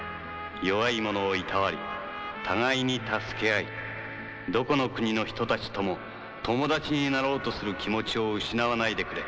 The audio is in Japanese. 弱い者をいたわり互いに助け合いどこの国の人たちとも友達になろうとする気持ちを失わないでくれ。